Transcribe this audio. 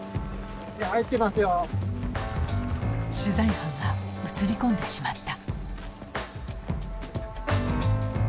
取材班が映り込んでしまった。